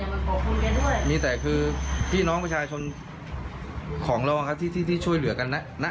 ใช่มีแต่คือพี่น้องประชาชนของรองครับที่ช่วยเหลือกันนะ